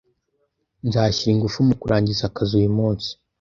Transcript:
Nzashyira ingufu mu kurangiza akazi uyu munsi.